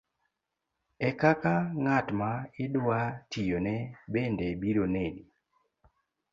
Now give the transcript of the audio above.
e kaka ng'at ma idwa tiyone bende biro neni.